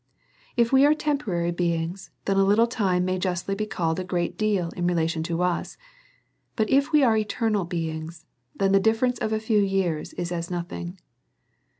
If we are temporary being?, then a little time may justly be called a great deal in relation to us : but if we are eternal beings, then the difference of a few years is as nothing.